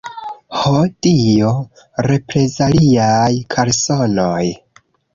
Ho Dio, reprezaliaj kalsonoj!